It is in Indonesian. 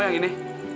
oh yang ini